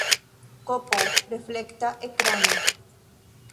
Kp reflekta ekrano.